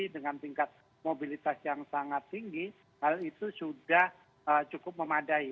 dengan tingkat mobilitas yang sangat tinggi hal itu sudah cukup memadai